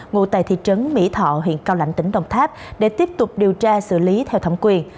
ngụ tại thị trấn mỹ thọ huyện cao lãnh tỉnh đồng tháp để tiếp tục điều tra xử lý theo thẩm quyền